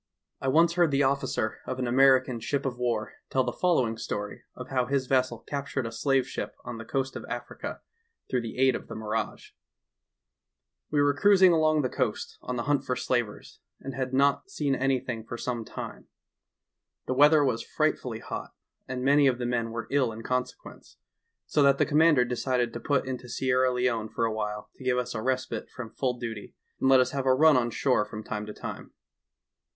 I once heard the officer of an American ship of war tell the following story of how his vessel cap BETRAYED BY A MIRAGE. 175 tured a slave ship on the coast of Africa, through the aid of the mirage : "We were cruising along the' coast on the hunt for slavers, and had not seen anything for some time. The weather was frightfully hot, and many of the men were ill in consequence, so that the com mander decided to put into Sierra Leone for awhile to give us a respite from full duty, and let us have a run on shore from time to time.